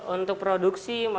untuk produksi mana untuk kas